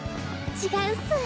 違うっす。